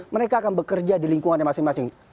mereka akan bekerja di lingkungannya masing masing